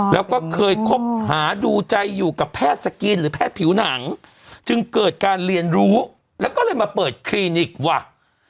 แล้วก็เคยคบหาดูใจอยู่กับแพทย์สกรีนหรือแพทย์ผิวหนังจึงเกิดการเรียนรู้แล้วก็เลยมาเปิดคลินิกว่ะ